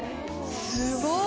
すごい！